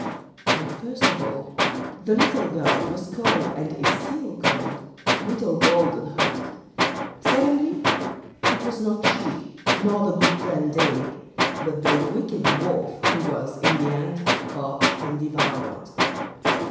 And first of all the little girl was called and is still called Little Golden hood; secondly, it was not she, nor the good grand dame, but the wicked Wolf who was, in the end, caught and devoured.